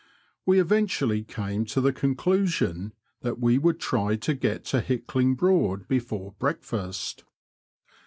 We eventually came to the con clusion that we would try to get to Hickling Broad before breakfast.